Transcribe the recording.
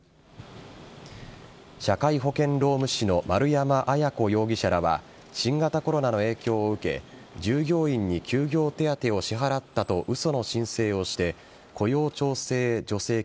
社会保険労務士の丸山文子容疑者は新型コロナの影響を受け従業員に休業手当を支払ったと嘘の申請をして雇用調整助成金